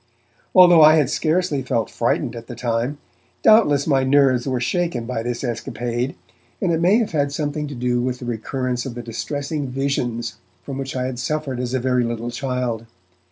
Although I had scarcely felt frightened at the time, doubtless my nerves were shaken by this escapade, and it may have had something to do with the recurrence of the distressing visions from which I had suffered as a very little child.